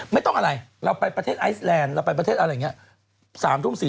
ไม่ต้องอะไรเราไปประเทศไอซแลนด์เราไปประเทศอะไรอย่างนี้๓ทุ่ม๔๐